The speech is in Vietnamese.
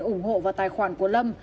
ủng hộ vào tài khoản của lâm